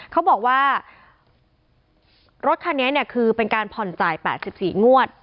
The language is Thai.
เขาบอกว่ารถคันนี้เนี่ยคือเป็นการผ่อนจ่าย๘๔งวด